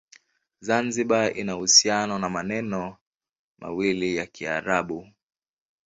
Zanzibar ina uhusiano na maneno mawili ya Kiarabu.